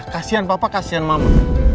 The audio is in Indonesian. kasian papa kasian mama